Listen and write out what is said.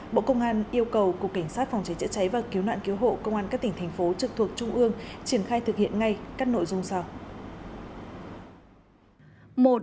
bộ công an yêu cầu cục cảnh sát phòng cháy chữa cháy và cứu nạn cứu hộ công an các tỉnh thành phố trực thuộc trung ương triển khai thực hiện ngay các nội dung sau